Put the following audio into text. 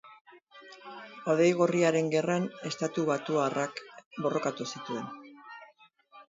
Hodei Gorriaren Gerran estatubatuarrak borrokatu zituen.